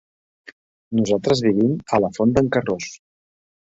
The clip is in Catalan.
Nosaltres vivim a la Font d'en Carròs.